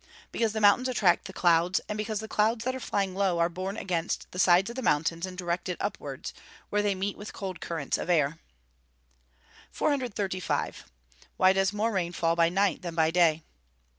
_ Because the mountains attract the clouds; and because the clouds that are flying low are borne against the sides of the mountains and directed upwards, where they meet with cold currents of air. 435. _Why does more rain fall by night than by day?